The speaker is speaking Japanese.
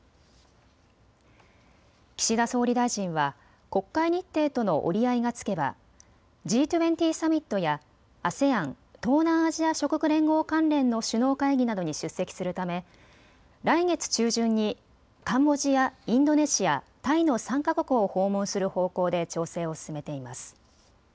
岸田総理大臣は国会日程との折り合いがつけばＧ２０サミットやＡＳＥＡＮ・東南アジア諸国連合関連の首脳会議などに出席するため来月中旬にカンボジア、インドネシア、タイの３か国を訪問する方向で調整を進めています。